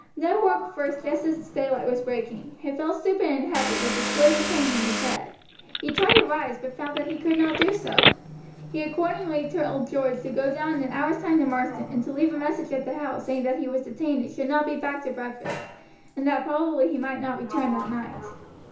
Ned woke first just as daylight was breaking; he felt stupid and heavy, with a splitting pain in his head. He tried to rise, but found that he could not do so. He accordingly told George to go down in an hour's time to Marsden, and to leave a message at the house saying that he was detained and should not be back to breakfast, and that probably he might not return that night.